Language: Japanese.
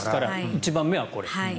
１番目はこれ。